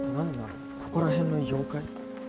ここら辺の妖怪？